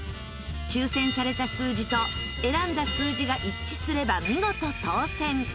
抽せんされた数字と選んだ数字が一致すれば見事当せん！